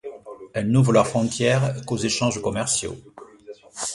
Elles n'ouvrent leurs frontières qu'aux échanges commerciaux.